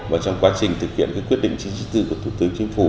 và trong quá trình thực hiện quyết định chính trị tư của thủ tướng chính phủ